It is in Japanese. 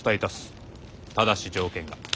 ただし条件が。